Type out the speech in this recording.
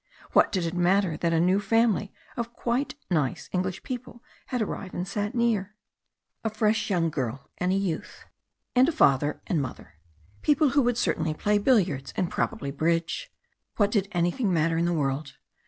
What did it matter that a new family of quite nice English people had arrived, and sat near? A fresh young girl and a youth, and a father and mother. People who would certainly play billiards and probably bridge. What did anything matter in the world?